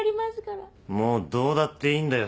もうどうだっていいんだよ